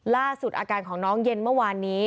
ล่าสุดอาการของน้องเย็นเมื่อวานนี้